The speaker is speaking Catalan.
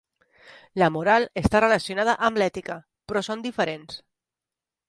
La moral està relacionada amb l'ètica, però són diferents.